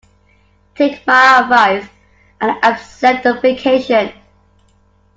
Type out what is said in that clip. Take my advice and accept the vacation.